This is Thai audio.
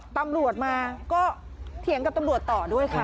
ตำรวจมาก็เถียงกับตำรวจต่อด้วยค่ะ